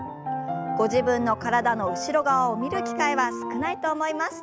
ご自分の体の後ろ側を見る機会は少ないと思います。